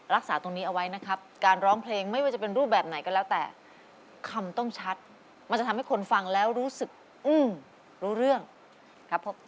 รักษาตรงนี้เอาไว้นะครับการร้องเพลงไม่ว่าจะเป็นรูปแบบไหนก็แล้วแต่คำต้องชัดมันจะทำให้คนฟังแล้วรู้สึกรู้เรื่องครับผม